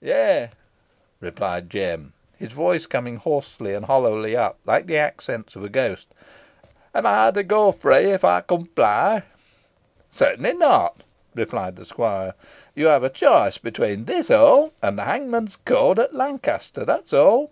"Yeigh," replied Jem, his voice coming hoarsely and hollowly up like the accents of a ghost. "Am ey to go free if ey comply?" "Certainly not," replied the squire. "You have a choice between this hole and the hangman's cord at Lancaster, that is all.